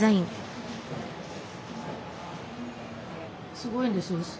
すごいんですよ。